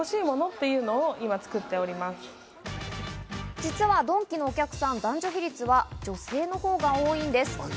実はドンキのお客さんの男女比率は女性のほうが多いんです。